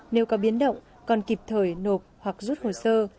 nếu có biến động còn kịp thời nộp hoặc rút hồ sơ